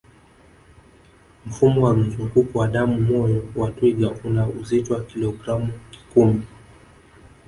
Mfumo wa mzunguko wa damu moyo wa twiga una uzito wa kilogramu kumi